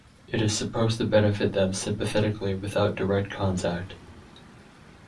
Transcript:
It is supposed to benefit them sympathetically without direct contact.